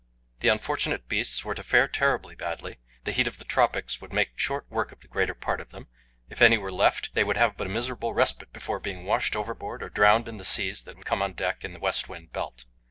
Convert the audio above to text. The unfortunate beasts were to fare terribly badly. The heat of the tropics would make short work of the greater part of them. If any were left, they would have but a miserable respite before being washed overboard or drowned in the seas that would come on deck in the west wind belt.